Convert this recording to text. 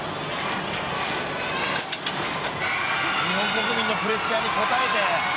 日本国民のプレッシャーに応えて。